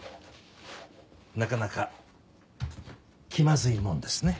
なかなか気まずいもんですね。